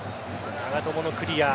長友のクリア。